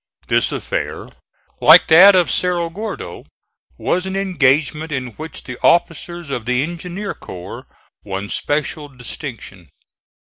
This affair, like that of Cerro Gordo, was an engagement in which the officers of the engineer corps won special distinction.